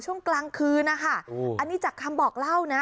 ช่วงกลางคืนนะคะอันนี้จากคำบอกเล่านะ